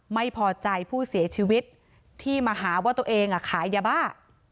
ไม่พอใจผู้เสียชีวิตที่มาหาว่าตัวเองขายยาบ้า